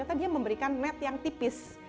atau dia memberikan net yang tipis